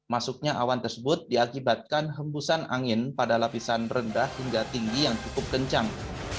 masuknya awan tersebut diakibatkan hembusan angin pada lapisan rendah hingga tinggi yang cukup kencang